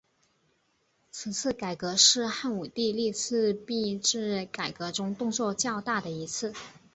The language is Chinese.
此次改革是汉武帝历次币制改革中动作较大的一次。